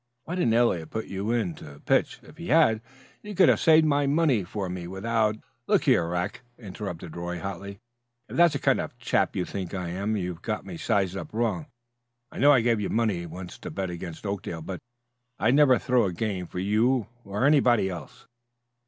Why didn't Eliot put you in to pitch? If he had, you could have saved my money for me without " "Look here, Rack," interrupted Roy hotly, "if that's the kind of a chap you think I am you've got me sized up wrong. I know I gave you money once to bet against Oakdale, but I'd never throw a game for you or anybody else."